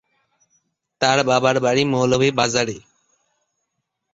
তার বাবার বাড়ি মৌলভীবাজারে।